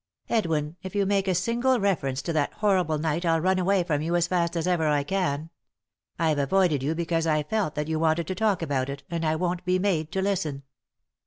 "Edwin, if you make a single reference to that horrible night I'll run away from you as fast as ever I can. I've avoided you because I've felt that you wanted to talk about it, and I won't be made to listen."